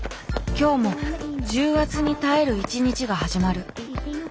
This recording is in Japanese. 今日も重圧に耐える一日が始まる。